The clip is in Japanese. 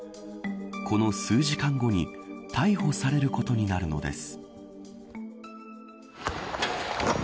この数時間後に逮捕されることになるのです。